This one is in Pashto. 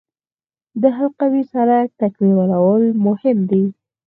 د حلقوي سړک تکمیلول مهم دي